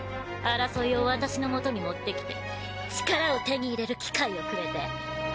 争いを私のもとに持ってきて力を手に入れる機会をくれて。